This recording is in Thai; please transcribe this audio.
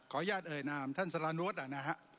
อนุญาตเอ่ยนามท่านสารนุษย์นะฮะ